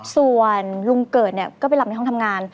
ส่วนลุงเกิดเนี่ยก็ไปหลับในห้องทำงาน